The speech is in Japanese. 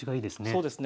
そうですね。